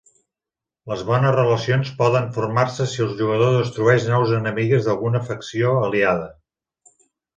Les bones relacions poden formar-se si el jugador destrueix naus enemigues d'alguna facció aliada.